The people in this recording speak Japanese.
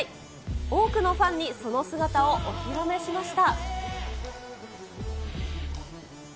多くのファンにその姿をお披露目しました。